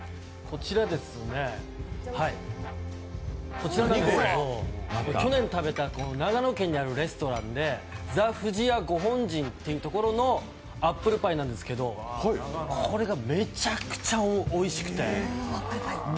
こちらなんですけど去年食べた長野県にあるレストランでＴＨＥＦＵＪＩＹＡＧＯＨＯＮＪＩＮってところのアップルパイなんですけどこれがめちゃくちゃおいしくて。